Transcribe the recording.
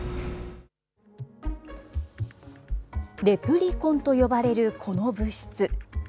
レプリコンと呼ばれるこの物質。